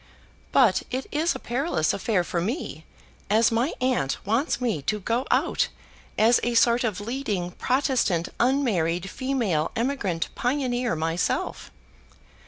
"But it is a perilous affair for me, as my aunt wants me to go out as a sort of leading Protestant unmarried female emigrant pioneer myself."